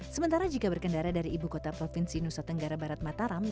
sementara jika berkendara dari ibu kota provinsi nusa tenggara barat mataram